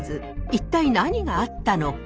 一体何があったのか？